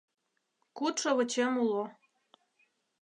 Куд шовычем уло